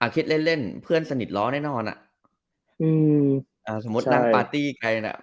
คิดเล่นเพื่อนสนิทร้อนแน่นอนสมมุตินั่งปาร์ตี้ใคร